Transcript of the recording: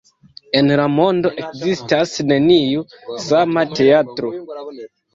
En la mondo ekzistas neniu sama teatro.